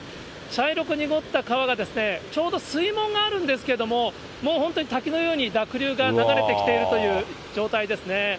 茶色く濁った川がちょうど水門があるんですけども、もう本当に滝のように濁流が流れてきているという状態ですね。